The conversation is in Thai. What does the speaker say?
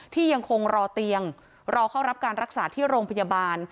ที่ยังคงรอเตียงรอเข้ารับการรักษาที่โรงพยาบาล